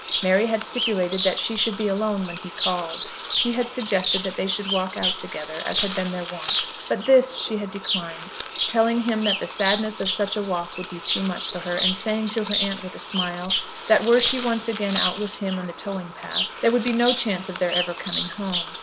Mary had stipulated that she should be alone when he called. He had suggested that they should walk out together, as had been their wont; but this she had declined, telling him that the sadness of such a walk would be too much for her, and saying to her aunt with a smile that were she once again out with him on the towing path, there would be no chance of their ever coming home.